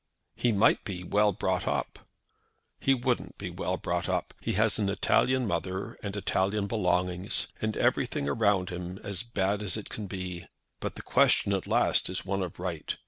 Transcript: "He might be well brought up." "He wouldn't be well brought up. He has an Italian mother and Italian belongings, and everything around him as bad as it can be. But the question at last is one of right.